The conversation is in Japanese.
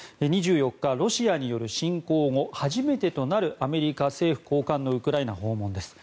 ２４日、ロシアによる侵攻後初めてとなるアメリカ政府高官のウクライナ訪問です。